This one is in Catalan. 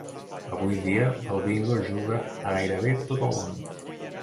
Avui dia el Bingo es juga a gairebé tot el món.